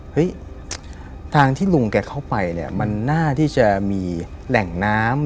เฮ้ยทางที่ลุงแกเข้าไปเนี่ยมันน่าที่จะมีแหล่งน้ำ